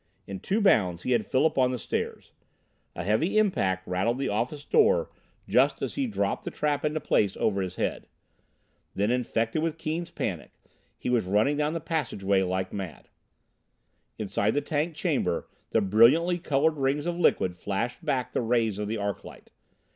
In two bounds he had Philip on the stairs. A heavy impact rattled the office door just as he dropped the trap into place over his head. Then, infected with Keane's panic, he was running down the passageway like mad. Inside the tank chamber the brilliantly colored rings of liquid flashed back the rays of the arclight.